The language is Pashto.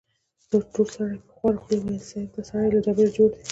تور سړي په خواره خوله وويل: صيب! دا سړی له ډبرې جوړ دی.